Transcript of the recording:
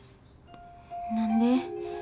何で？